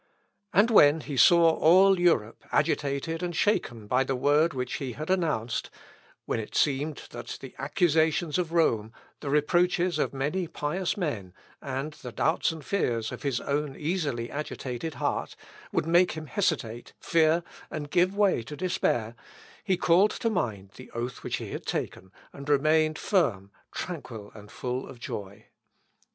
And when he saw all Europe agitated and shaken by the word which he had announced; when it seemed that the accusations of Rome, the reproaches of many pious men, and the doubts and fears of his own easily agitated heart, would make him hesitate, fear, and give way to despair, he called to mind the oath which he had taken, and remained firm, tranquil, and full of joy.